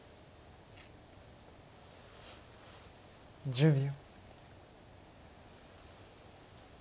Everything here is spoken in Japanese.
１０秒。